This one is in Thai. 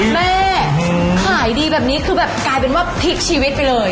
อ๋อแม่ขายดีแบบนี้กลายเป็นว่าพลิกชีวิตไปเลย